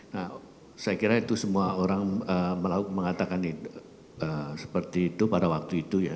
nah saya kira itu semua orang mengatakan seperti itu pada waktu itu ya